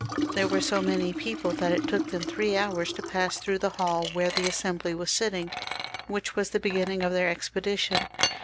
There were so many people that it took them three hours to pass through the hall where the Assembly was sitting, which was the beginning of their expedition.